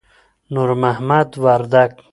نور محمد وردک